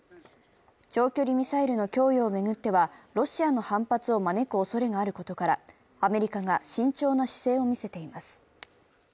長距離ミサイルの供与を巡ってはロシアの反発を招くおそれがあることから、アメリカが慎重な姿勢を見せています。